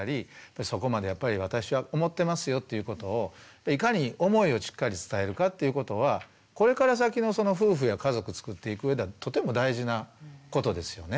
そこまでやっぱり私は思ってますよということをいかに思いをしっかり伝えるかっていうことはこれから先の夫婦や家族つくっていく上でとても大事なことですよね。